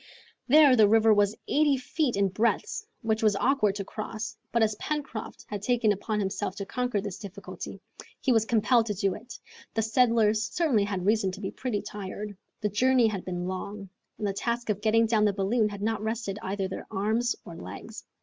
There the river was eighty feet in breadth, which was awkward to cross, but as Pencroft had taken upon himself to conquer this difficulty, he was compelled to do it. The settlers certainly had reason to be pretty tired. The journey had been long, and the task of getting down the balloon had not rested either their arms or legs.